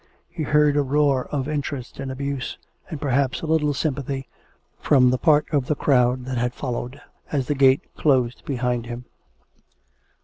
He heard a roar of interest and abuse, and, perhaps, a little sympathy, from the part of the crowd that had followed, as the gate closed behind him.